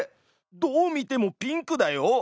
どう見てもピンクだよ！